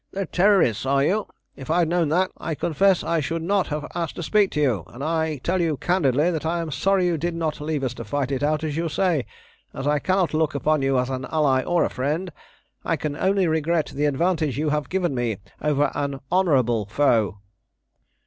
"The Terrorists, are you? If I had known that, I confess I should not have asked to speak you, and I tell you candidly that I am sorry you did not leave us to fight it out, as you say. As I cannot look upon you as an ally or a friend, I can only regret the advantage you have given me over an honourable foe."